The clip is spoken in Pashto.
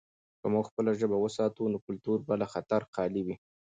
که موږ خپله ژبه وساتو، نو کلتور به له خطره خالي وي.